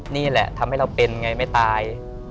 นี่แหละทำให้เราเป็นไงไม่ตาย